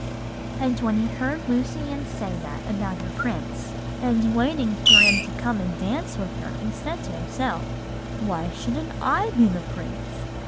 "And when he heard Lucy Ann say that about her prince, and waiting for him to come and dance with her, he said to himself, "'Why shouldn't I be the prince?